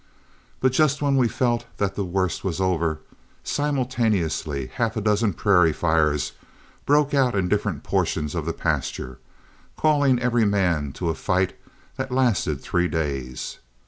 But just when we felt that the worst was over, simultaneously half a dozen prairie fires broke out in different portions of the pasture, calling every man to a fight that lasted three days.